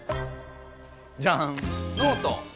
じゃんノート！